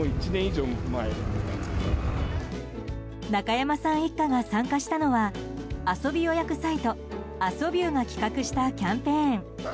中山さん一家が参加したのは遊び予約サイト、アソビューが企画したキャンペーン。